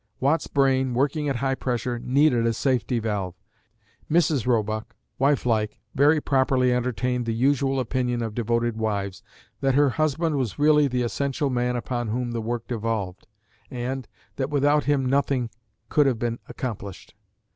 Watt's brain, working at high pressure, needed a safety valve. Mrs. Roebuck, wife like, very properly entertained the usual opinion of devoted wives, that her husband was really the essential man upon whom the work devolved, and, that without him nothing could have been accomplished.